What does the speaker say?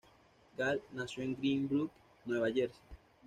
Gall nació en Green Brook, Nueva Jersey.